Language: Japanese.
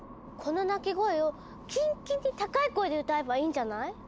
この鳴き声をキンキンに高い声で歌えばいいんじゃない？